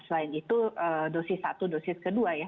selain itu dosis satu dosis kedua ya